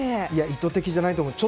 意図的じゃないと思います。